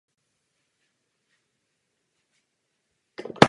Tady vidím značný potenciální problém.